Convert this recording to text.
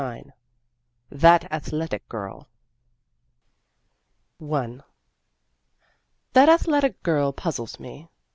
IX THAT ATHLETIC GIRL 1 THAT athletic girl puzzles me.